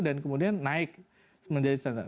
dan kemudian naik menjadi standar